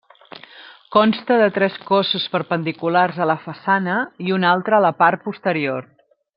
Consta de tres cossos perpendiculars a la façana i un altre a la part posterior.